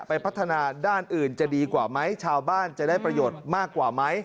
พัฒนาด้านอื่นจะดีกว่าไหมชาวบ้านจะได้ประโยชน์มากกว่าไหม